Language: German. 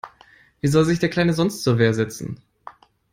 Wie soll sich der Kleine sonst zur Wehr setzen?